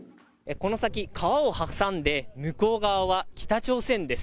この先、川を挟んで、向こう側は、北朝鮮です。